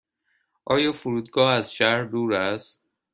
آیا فرودگاه از شهر دور است؟